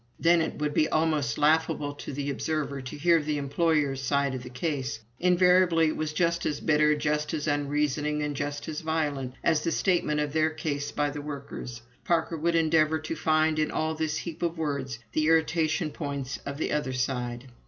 "Then it would be almost laughable to the observer to hear the employer's side of the case. Invariably it was just as bitter, just as unreasoning, and just as violent, as the statement of their case by the workers. Parker would endeavor to find, in all this heap of words, the irritation points of the other side.